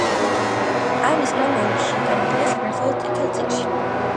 ამის გამო ის შეტანილია საქართველოს „წითელ წიგნში“.